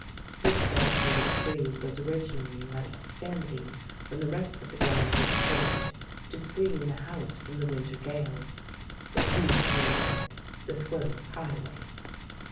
This barricade of trees was originally left standing when the rest of the ground was cleared, to screen the house from the winter gales. But we have named it the Squirrels' Highway.